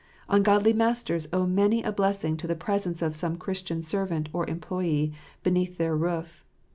Ungodly masters owe many a blessing to the presence of some Christian servant or employ k beneath their roof.